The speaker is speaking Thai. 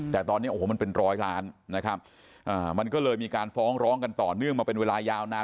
แต่ตอนนี้โอ้โหมันเป็นร้อยล้านนะครับมันก็เลยมีการฟ้องร้องกันต่อเนื่องมาเป็นเวลายาวนาน